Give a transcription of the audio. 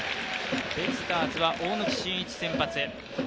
ベイスターズは大貫晋一先発。